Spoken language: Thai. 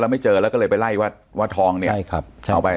แล้วไม่เจอแล้วก็เลยไปไล่วัดทองเนี่ย